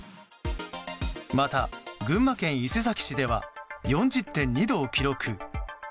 また、群馬県伊勢崎市では４０．２度を記録。